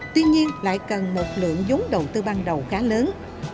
tuy nhiên lại cần một lượng giống đầu tư ban đầu khá lớn